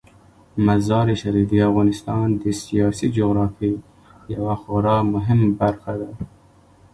مزارشریف د افغانستان د سیاسي جغرافیې یوه خورا مهمه برخه ده.